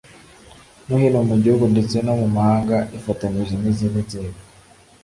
no hino mu gihugu ndetse no mu mahanga ifatanyije n izindi nzego